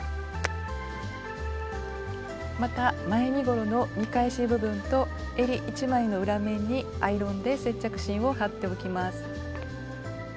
また前身ごろの見返し部分とえり１枚の裏面にアイロンで接着芯を貼っておきます。